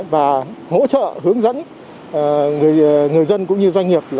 và hỗ trợ hướng dẫn người dân cũng như doanh nghiệp